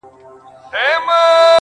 ستا د کیږدۍ له ماښامونو سره لوبي کوي!.